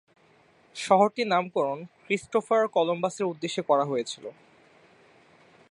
শহরটির নামকরণ ক্রিস্টোফার কলম্বাসের উদ্দেশ্যে করা হয়েছিল।